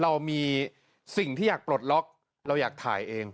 เรามีสิ่งที่อยากปลดล็อกเราอยากถ่ายเอง